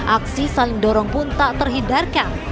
aksi saling dorong pun tak terhindarkan